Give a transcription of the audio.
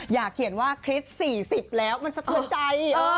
อย่าเขียนว่าคลิป๔๐แล้วมันสะเทือนใจ